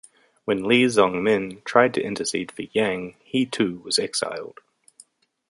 When Li Zongmin tried to intercede for Yang, he too was exiled.